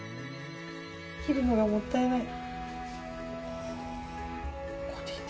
切るのがもったいない。